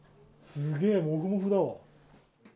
すげぇ、もふもふだわ。